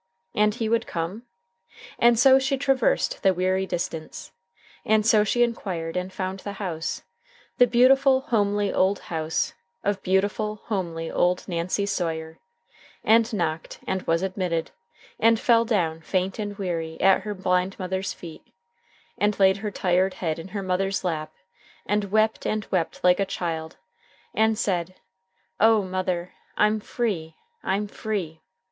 And he would come? And so she traversed the weary distance, and so she inquired and found the house, the beautiful, homely old house of beautiful, homely old Nancy Sawyer, and knocked, and was admitted, and fell down, faint and weary, at her blind mother's feet, and laid her tired head in her mother's lap and wept and wept like a child, and said, "O mother! I'm free! I'm free!"